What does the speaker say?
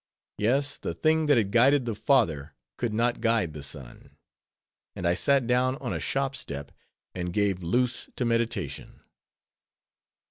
Yes, the thing that had guided the father, could not guide the son. And I sat down on a shop step, and gave loose to meditation.